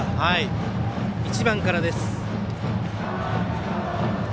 １番からです。